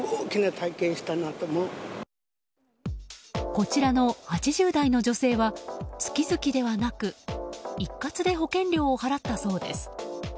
こちらの８０代の女性は月々ではなく一括で保険料を払ったそうです。